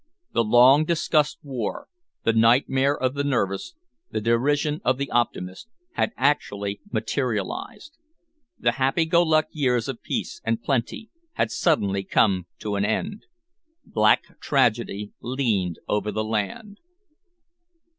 The long discussed war the nightmare of the nervous, the derision of the optimist had actually materialised. The happy go lucky years of peace and plenty had suddenly come to an end. Black tragedy leaned over the land.